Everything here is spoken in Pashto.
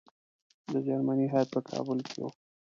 د جرمني هیات په کابل کې وو.